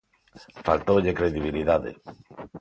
Faltoulle credibilidade.